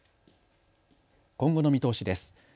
今後の見通しです。